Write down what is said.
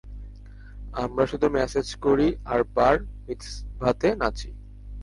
আমরা শুধু ম্যাসেজ করি আর বার মিৎজভাতে নাচি।